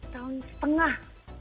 dua tahun setengah